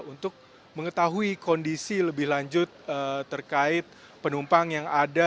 untuk mengetahui kondisi lebih lanjut terkait penumpang yang ada